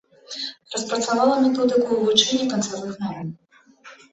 Распрацавала методыку вывучэння канцавых марэн.